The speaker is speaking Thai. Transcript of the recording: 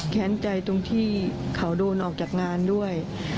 แค้นใจตรงที่เขาโดนออกจากงานด้วย